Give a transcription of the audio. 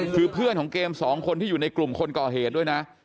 คือเพื่อนของเกมสองคนที่อยู่ในกลุ่มคนก่อเหตุด้วยนะ